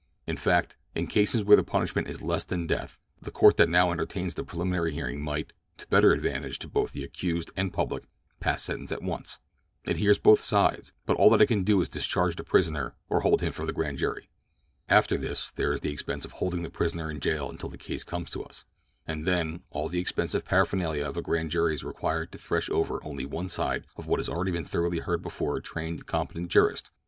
In fact, in cases where the punishment is less than death the court that now entertains the preliminary hearing might, to much better advantage to both the accused and public, pass sentence at once. It hears both sides, but all that it can do is discharge the prisoner or hold him for the grand jury. After this there is the expense of holding the prisoner in jail until his case comes to us, and then all the expensive paraphernalia of a grand jury is required to thresh over only one side of what has already been thoroughly heard before a trained and competent jurist.